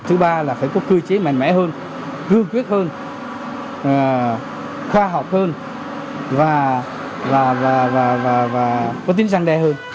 thứ ba là phải có cơ chế mạnh mẽ hơn cương quyết hơn khoa học hơn và có tính răng đe hơn